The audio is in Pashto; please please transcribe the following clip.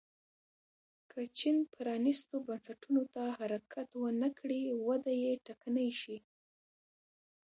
که چین پرانیستو بنسټونو ته حرکت ونه کړي وده یې ټکنۍ شي.